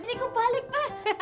ini gue balik be